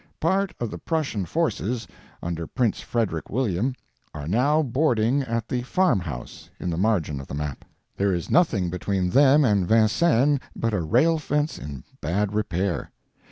Part of the Prussian forces, under Prince Frederick William, are now boarding at the "farm house" in the margin of the map. There is nothing between them and Vincennes but a rail fence in bad repair.